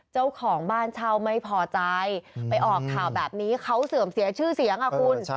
เจ้าของบ้านเช่าไม่พอใจไปออกข่าวแบบนี้เขาเสื่อมเสียชื่อเสียงอ่ะคุณ